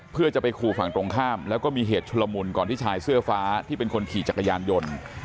เพื่อจะไปขู่ฝั่งตรงข้ามแล้วก็มีเหตุชุลมุนก่อนที่ชายเสื้อฟ้าที่เป็นคนขี่จักรยานยนต์